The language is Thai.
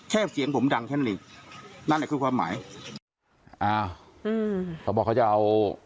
เสียงผมดังแค่นั้นอีกนั่นแหละคือความหมายอ้าวอืมเขาบอกเขาจะเอา